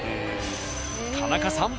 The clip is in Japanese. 田中さん